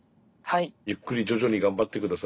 ゆっくり徐々に頑張って下さい。